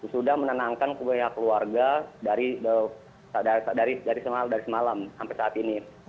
sudah menenangkan kepada keluarga dari semalam sampai saat ini